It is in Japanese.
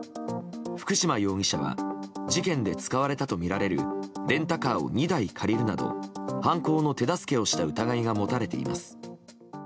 福島容疑者は事件で使われたとみられるレンタカーを２台借りるなど犯行の手助けをした疑いが持たれています。